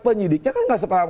penyidiknya kan gak sepaham